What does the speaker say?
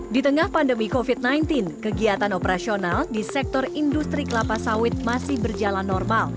di tengah pandemi covid sembilan belas kegiatan operasional di sektor industri kelapa sawit masih berjalan normal